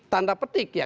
tanda petik ya